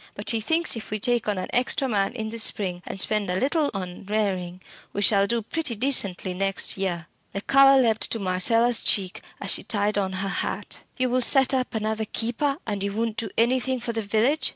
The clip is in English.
But he thinks if we take on an extra man in the spring, and spend a little on rearing, we shall do pretty decently next year." The colour leapt to Marcella's cheek as she tied on her hat. "You will set up another keeper, and you won't do anything for the village?"